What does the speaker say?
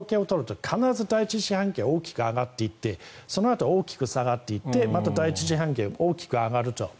その第２四半期というのは大昔の統計を取ると必ず第１四半期は大きく上がっていってそのあと大きく下がっていってまた第１四半期が大きく上がると。